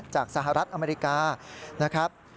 สหรัฐอเมริกานะครับ